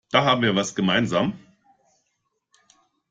Da haben wir was gemeinsam.